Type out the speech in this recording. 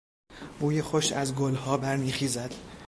بوی خوش از گلها برمیخیزد.